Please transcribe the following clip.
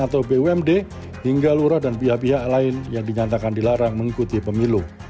atau bumd hingga lurah dan pihak pihak lain yang dinyatakan dilarang mengikuti pemilu